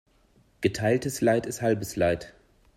Geteiltes Leid ist halbes Leid.